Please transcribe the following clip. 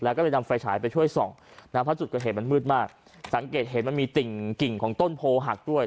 แล้วก็เลยนำไฟฉายไปช่วยส่องนะเพราะจุดเกิดเหตุมันมืดมากสังเกตเห็นมันมีติ่งกิ่งของต้นโพหักด้วย